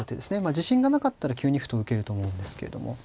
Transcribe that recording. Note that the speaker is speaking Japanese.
自信がなかったら９二歩と受けると思うんですけども。